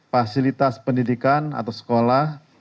fasilitas pendidikan atau sekolah